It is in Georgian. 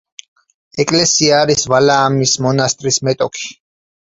ეკლესია არის ვალაამის მონასტრის მეტოქი.